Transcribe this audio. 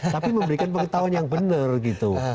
tapi memberikan pengetahuan yang benar gitu